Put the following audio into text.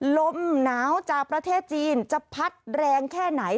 ลมหนาวจากประเทศจีนจะพัดแรงแค่ไหน